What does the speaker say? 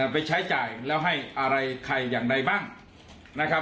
ไปใช้จ่ายแล้วให้อะไรใครอย่างในบ้าง